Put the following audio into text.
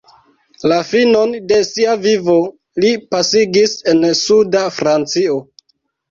La finon de sia vivo li pasigis en suda Francio.